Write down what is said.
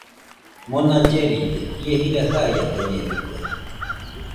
Mona lleride ie jira jaiakañedɨkue